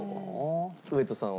上戸さんは？